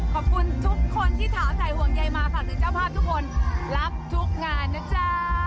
ขอบคุณทุกคนที่ถามใส่ห่วงใยมาฝากถึงเจ้าภาพทุกคนรับทุกงานนะจ๊ะ